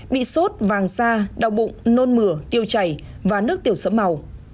hai tám một mươi một bị sốt vàng da đau bụng nôn mửa tiêu chảy và nước tiểu sẫm màu